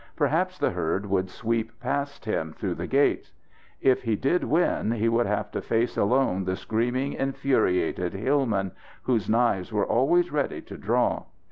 Perhaps the herd would sweep past him, through the gates. If he did win, he would have to face alone the screaming, infuriated hillmen, whose knives were always ready to draw.